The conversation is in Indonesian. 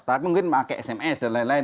tapi mungkin pakai sms dan lain lain